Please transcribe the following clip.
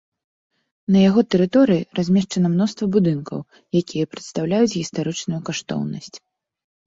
На яго тэрыторыі размешчана мноства будынкаў, якія прадстаўляюць гістарычную каштоўнасць.